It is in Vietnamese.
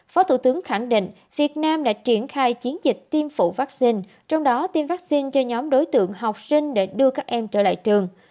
phó thủ tướng khẳng định việt nam đã triển khai chiến dịch tiêm phụ vaccine trong đó tiêm vaccine cho nhóm đối tượng học sinh để đưa các em trở lại trường